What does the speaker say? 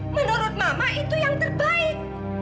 menurut mama itu yang terbaik